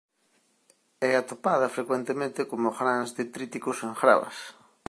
É atopada frecuentemente como grans detríticos en gravas.